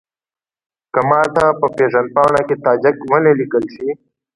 که ماته په پېژندپاڼه کې تاجک ونه لیکل شي.